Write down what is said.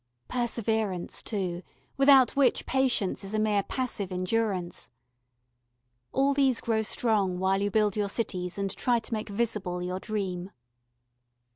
Perseverance too, without which patience is a mere passive endurance. All these grow strong while you build your cities and try to make visible your dream.